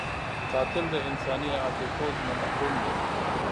قاتل د انساني عاطفو نه محروم دی